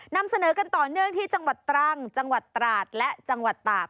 นำเสนอกันต่อเนื่องที่จังหวัดตรังจังหวัดตราดและจังหวัดตาก